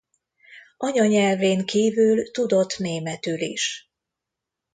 Anyanyelvén kívül tudott németül is.